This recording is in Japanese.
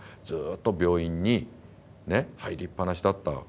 ずっと病院に入りっぱなしだった